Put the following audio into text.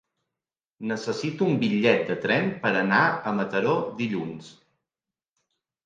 Necessito un bitllet de tren per anar a Mataró dilluns.